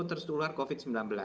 terus keluar covid sembilan belas